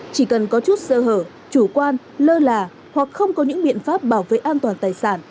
chỉ cần có chút sơ hở chủ quan lơ là hoặc không có những biện pháp bảo vệ an toàn tài sản